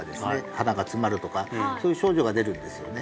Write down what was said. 鼻が詰まるとかそういう症状が出るんですよね